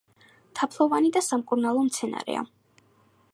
თაფლოვანი და სამკურნალო მცენარეა.